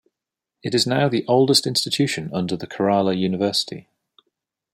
It is now the oldest institution under the Kerala University.